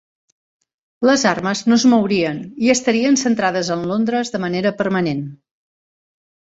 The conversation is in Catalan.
Les armes no es mourien i estarien centrades en Londres de manera permanent.